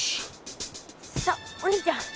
さあお兄ちゃん